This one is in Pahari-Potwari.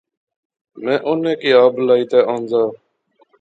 میں اُنہاں کی آپ بلائی تے آنزا